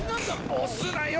押すなよ！